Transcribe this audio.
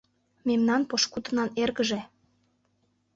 Мемнан пошкудынан эргыже.